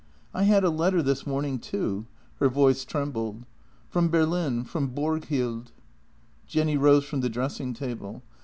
" I had a letter this morning, too." Her voice trembled. " From Berlin, from Borghild." Jenny rose from the dressing table.